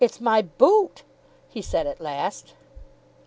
] "It's my boot!" he said at last.